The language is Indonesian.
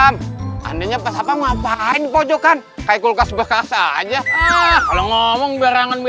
makanya pas apa ngapain pojokan kulkas bekas aja